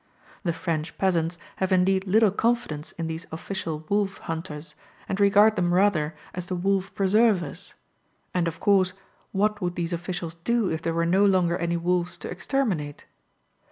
The French peasants have indeed little confidence in these official wolf hunters, and regard them rather as the wolf preservers. And, of course, what would these officials do if there were no longer any wolves to exterminate?